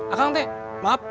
ah kang teh maaf